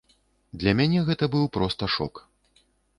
Для мяне гэта быў проста шок.